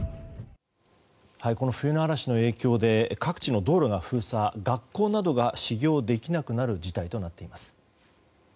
冬の嵐の影響で各地の道路が封鎖学校などが始業できなくなる事態となっています。